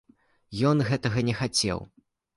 Ён гэтага не хацеў.